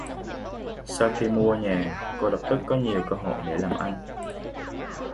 Sau khi mua nhà cô lập tức có nhiều cơ hội để làm ăn